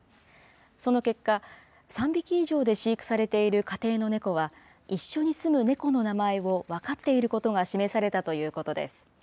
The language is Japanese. その結果、３匹以上で飼育されている家庭の猫は、一緒に住む猫の名前を分かっていることが示されたということです。